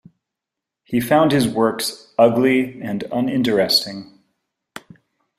He found his works "ugly and uninteresting".